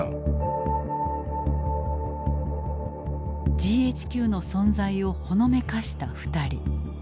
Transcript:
ＧＨＱの存在をほのめかした２人。